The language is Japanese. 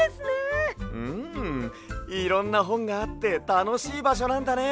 うんいろんなほんがあってたのしいばしょなんだね。